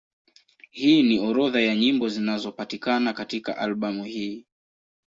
Hii ni orodha ya nyimbo zinazopatikana katika albamu hii.